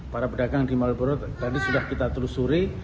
para pedagang di malioboro tadi sudah kita telusuri